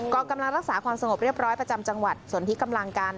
กำลังรักษาความสงบเรียบร้อยประจำจังหวัดส่วนที่กำลังกัน